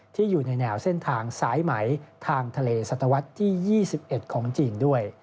ที่อยู่ในแนวเส้นทางสายไหมทางทะเลสัตวรรษที่๒๑ของจีนด้วย